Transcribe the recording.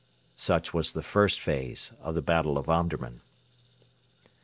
Such was the first phase of the battle of Omdurman.